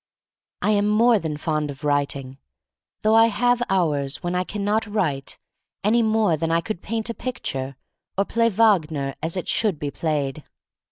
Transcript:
I am more than fond of writing, though I have hours when I can not write any more than I could paint a picture, or play Wagner as it should be played.